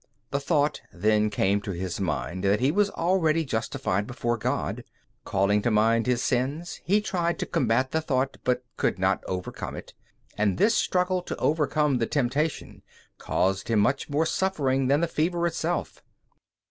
The thought then came to his mind that he was already justified before God. Calling to mind his sins, he tried to combat the thought, but could not overcome it, and this struggle to overcome the temptation caused him much more suffering than the fever itself.